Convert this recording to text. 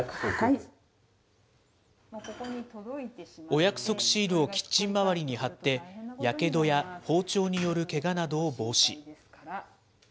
お約束シールをキッチン周りに貼って、やけどや包丁によるけがなどを防止。